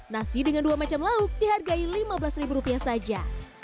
nasi dengan dua macam lauk dihargai lima belas ribu rupiah saja